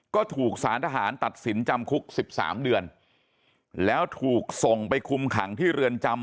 ก็ถูกสารทหารตัดสินจำคุก๑๓เดือนแล้วถูกส่งไปคุมขังที่เรือนจำ